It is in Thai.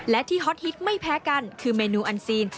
และที่ฮอตฮิตไม่แพ้กันคือเมนูอันซีน